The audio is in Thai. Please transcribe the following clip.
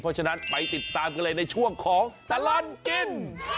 เพราะฉะนั้นไปติดตามกันเลยในช่วงของตลอดกิน